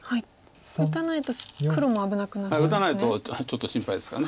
打たないと黒も危なくなっちゃうんですね。